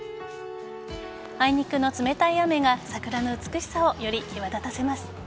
あいにくの冷たい雨が桜の美しさをより際立たせます。